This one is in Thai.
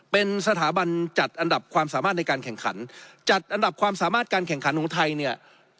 เป็นสถาบันจัดอันดับความสามารถในการแข่งขันจัดอันดับความสามารถการแข่งขันของไทยเนี่ย